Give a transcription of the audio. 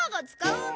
うん。